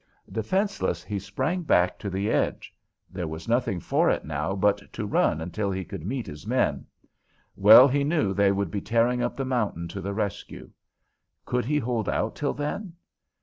Defenceless, he sprang back to the edge; there was nothing for it now but to run until he could meet his men. Well he knew they would be tearing up the mountain to the rescue. Could he hold out till then?